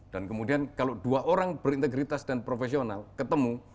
dan kemudian kalau dua orang berintegritas dan profesional ketemu